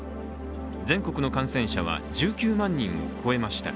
全国の感染者は１９万人を超えました。